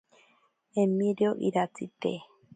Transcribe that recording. Emirio iratsi te.